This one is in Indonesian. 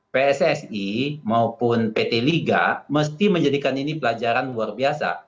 pssi maupun pt liga mesti menjadikan ini pelajaran luar biasa